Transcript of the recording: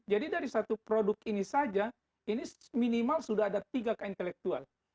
jadi dari satu produk ini saja ini minimal sudah ada tiga ke intelektual